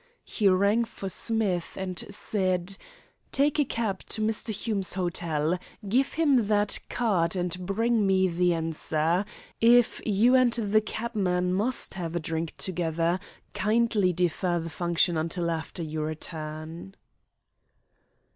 He rang for Smith, and said: "Take a cab to Mr. Hume's hotel. Give him that card, and bring me the answer. If you and the cabman must have a drink together, kindly defer the function until after your return."